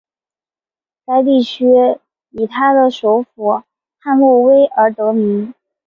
该地区以它的首府汉诺威而得名。